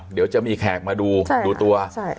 เดี๋ยวจะมีแขกมาดูดูตัว